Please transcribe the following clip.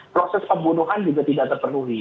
proses pembunuhan juga tidak terpenuhi